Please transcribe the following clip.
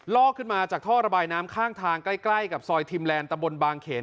อกขึ้นมาจากท่อระบายน้ำข้างทางใกล้กับซอยทิมแลนดตะบนบางเขน